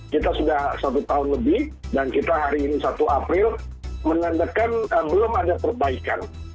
kita sudah satu tahun lebih dan kita hari ini satu april menandakan belum ada perbaikan